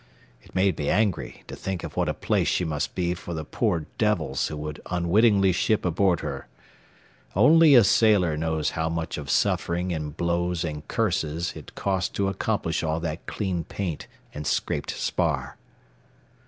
It made me angry to think of what a place she must be for the poor devils who would unwittingly ship aboard her. Only a sailor knows how much of suffering in blows and curses it cost to accomplish all that clean paint and scraped spar.